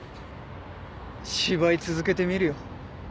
芝居続けてみるよ。